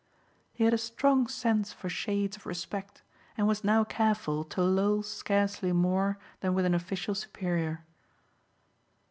He had a strong sense for shades of respect and was now careful to loll scarcely more than with an official superior.